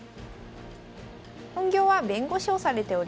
本業は弁護士をされております。